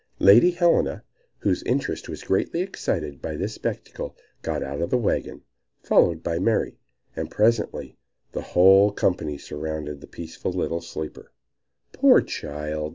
Lady Helena, whose interest was greatly excited by this spectacle, got out of the wagon, followed by Mary, and presently the whole company surrounded the peaceful little sleeper. "Poor child!"